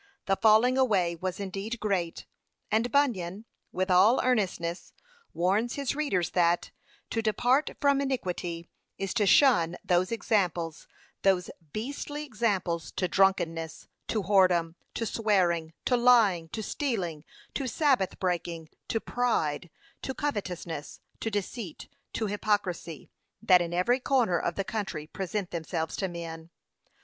The falling away was indeed great; and Bunyan, with all earnestness, warns his readers that, 'To depart from iniquity is to shun those examples, those beastly examples to drunkenness to whoredom to swearing to lying to stealing to sabbath breaking to pride to covetousness to deceit to hypocrisy, that in every corner of the country present themselves to men.'